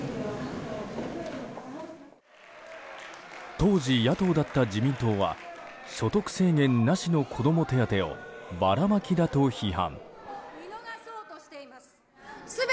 当時、野党だった自民党は所得制限なしの子ども手当をばらまきだと批判。